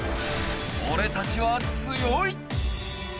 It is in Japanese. オレたちは強い。